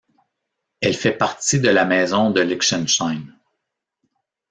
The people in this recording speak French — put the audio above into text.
Elle fait partie de la maison de Liechtenstein.